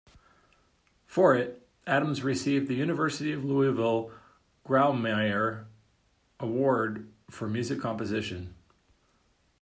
For it, Adams received the University of Louisville Grawemeyer Award for Music Composition.